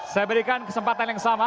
saya berikan kesempatan yang sama